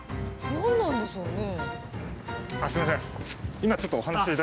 何なんでしょうね？